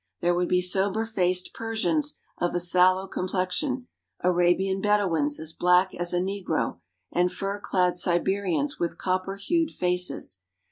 There would be sober faced Persians of a sallow complexion, Arabian Bedouins as black as a negro, and fur clad Siberians with copper hued faces.